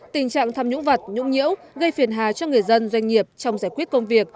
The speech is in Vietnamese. tình trạng tham nhũng vật nhũng nhiễu gây phiền hà cho người dân doanh nghiệp trong giải quyết công việc